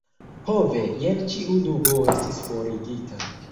Ho ve, jen ĉiu dubo estis forigita.